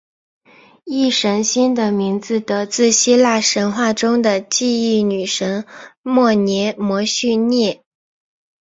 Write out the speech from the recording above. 忆神星的名字得自希腊神话中的记忆女神谟涅摩叙涅。